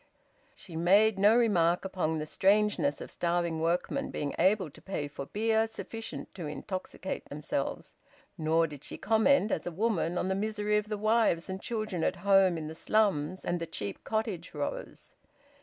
She made no remark upon the strangeness of starving workmen being able to pay for beer sufficient to intoxicate themselves. Nor did she comment, as a woman, on the misery of the wives and children at home in the slums and the cheap cottage rows.